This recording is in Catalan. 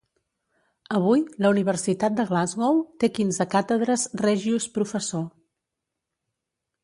Avui, la Universitat de Glasgow té quinze càtedres Regius Professor.